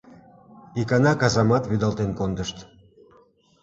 Икана казамат вӱдалтен кондышт.